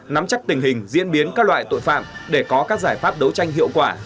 nắm chắc tình hình diễn biến các loại tội phạm để có các giải pháp đấu tranh hiệu quả